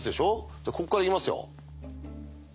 じゃあこっから行きますよ。